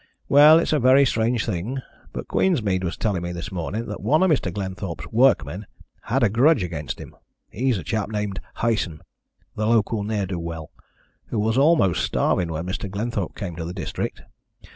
Well, it's a very strange thing, but Queensmead was telling me this morning that one of Mr. Glenthorpe's workmen had a grudge against him. He's a chap named Hyson, the local ne'er do well, who was almost starving when Mr. Glenthorpe came to the district.